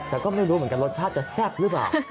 แต่ก็ไม่รู้เหมือนกันรสชาติจะแซ่บหรือเปล่า